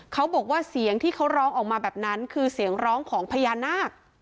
เขาบอกว่าเสียงที่เขาร้องออกมาแบบนั้นคือเสียงร้องของพญานาค